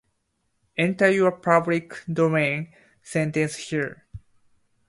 Enter your public domain sentence here